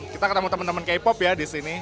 kita ketemu temen temen k pop ya disini